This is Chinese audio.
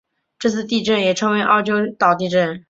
这次地震也称为奥尻岛地震。